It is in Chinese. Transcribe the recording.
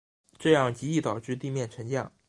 这样极易导致地面沉降。